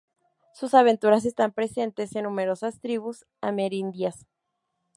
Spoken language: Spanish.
Sus aventuras están presentes en numerosas tribus amerindias.